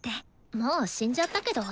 もう死んじゃったけど。